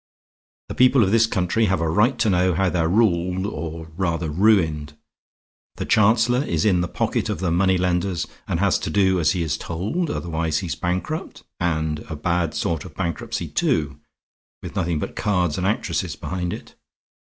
The people of this country have a right to know how they're ruled or, rather, ruined. The Chancellor is in the pocket of the money lenders and has to do as he is told; otherwise he's bankrupt, and a bad sort of bankruptcy, too, with nothing but cards and actresses behind it.